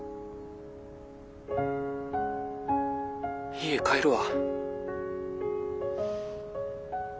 家帰るわ。